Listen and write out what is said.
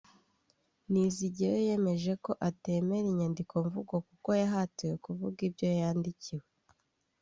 Nizigiyeyo yemeje ko atemera inyandikomvugo kuko yahatiwe kuvuga ibyo yandikiwe